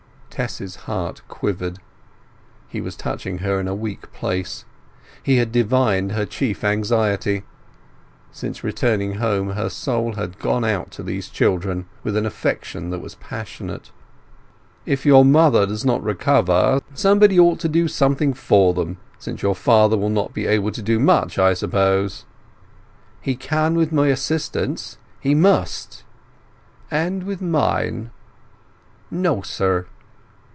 Tess's heart quivered—he was touching her in a weak place. He had divined her chief anxiety. Since returning home her soul had gone out to those children with an affection that was passionate. "If your mother does not recover, somebody ought to do something for them; since your father will not be able to do much, I suppose?" "He can with my assistance. He must!" "And with mine." "No, sir!"